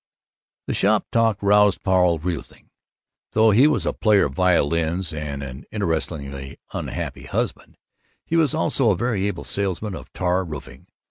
The shop talk roused Paul Riesling. Though he was a player of violins and an interestingly unhappy husband, he was also a very able salesman of tar roofing.